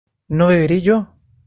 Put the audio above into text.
¿no beberé yo?